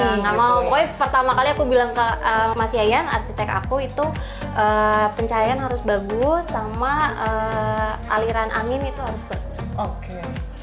nggak mau pokoknya pertama kali aku bilang ke mas yayan arsitek aku itu pencahayaan harus bagus sama aliran angin itu harus bagus oke